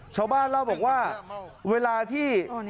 ชาวบ้านเล่าบอกว่าเวลาที่